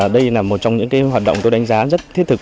đây là một trong những hoạt động tôi đánh giá rất thiết thực